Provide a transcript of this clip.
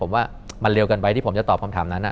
ผมว่ามันเร็วเกินไปที่ผมจะตอบคำถามนั้น